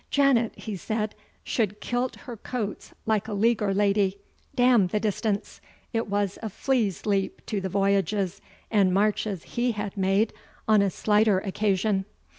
Janet," he said, "should kilt her coats like a leaguer lady; d n the distance! it was a flea's leap to the voyages and marches he had made on a slighter occasion."